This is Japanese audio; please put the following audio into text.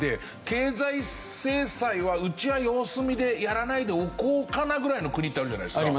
経済制裁はうちは様子見でやらないでおこうかなぐらいの国ってあるじゃないですか。